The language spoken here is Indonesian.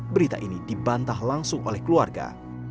berita ini dibantah langsung oleh keluarga